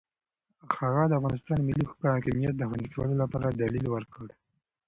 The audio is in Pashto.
هغه د افغانستان د ملي حاکمیت د خوندي کولو لپاره دلیل ورکړ.